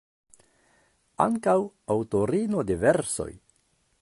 Ankaŭ aŭtorino de versoj.